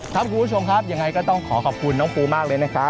คุณผู้ชมครับยังไงก็ต้องขอขอบคุณน้องปูมากเลยนะครับ